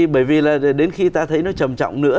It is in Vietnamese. bởi vì là đến khi ta thấy nó trầm trọng nữa